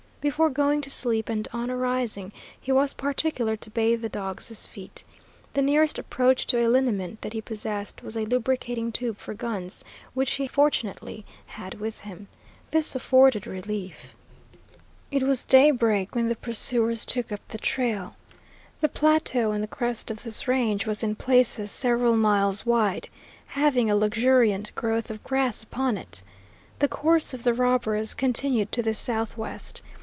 Before going to sleep, and on arising, he was particular to bathe the dogs' feet. The nearest approach to a liniment that he possessed was a lubricating tube for guns, which he fortunately had with him. This afforded relief. It was daybreak when the pursuers took up the trail. The plateau on the crest of this range was in places several miles wide, having a luxuriant growth of grass upon it. The course of the robbers continued to the southwest.